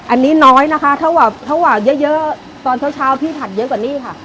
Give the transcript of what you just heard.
อันนี้น้อยนะคะเท่าว่าเท่าว่าเยอะเยอะตอนเท่าเช้าพี่ผัดเยอะกว่านี้ค่ะ